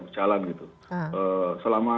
berjalan gitu selama